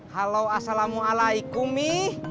halo assalamualaikum mi